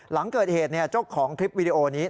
หลังเกิดเหตุเจ้าของคลิปวิดีโอนี้